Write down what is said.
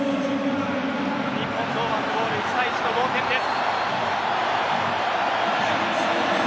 日本、堂安のゴールで１対１の同点です。